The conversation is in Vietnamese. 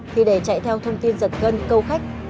thì để chạy theo thông tin giật gân câu khách